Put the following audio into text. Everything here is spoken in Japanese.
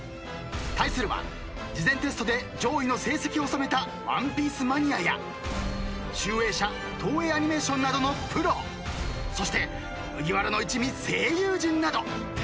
［対するは事前テストで上位の成績を収めた『ワンピース』マニアや集英社東映アニメーションなどのプロ］［そして麦わらの一味声優陣など］